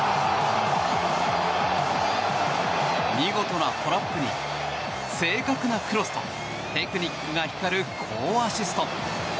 見事なトラップに正確なクロスとテクニックが光る好アシスト。